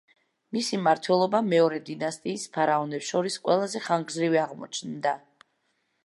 მისი მმართველობა მეორე დინასტიის ფარაონებს შორის ყველაზე ხანგრძლივი აღმოჩნდა.